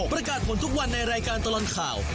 ประกาศผลทุกวันในรายการตลอดข่าว